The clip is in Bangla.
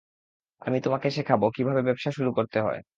আমি তোমাকে শেখাব কিভাবে ব্যবসা শুরু করতে হয়।